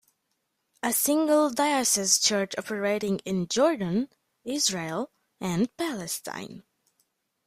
A single-diocese church operating in Jordan, Israel, and Palestine.